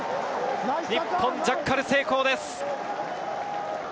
日本、ジャッカル成功です。